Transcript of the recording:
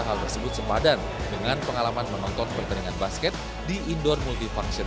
hal tersebut semadan dengan pengalaman menonton pertandingan basket di indoor multifunction